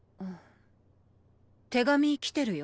手紙来てるよ。